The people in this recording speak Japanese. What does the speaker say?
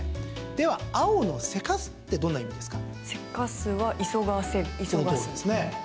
では、青のせかすってどんな意味ですか？